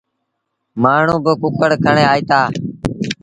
مآڻهوٚݩ با ڪُڪڙ کڻي آئيٚتآ۔